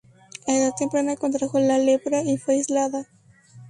A edad temprana, contrajo la lepra y fue aislada.